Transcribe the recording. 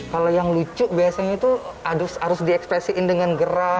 kalau yang lucu biasanya itu harus diekspresikan dengan gerak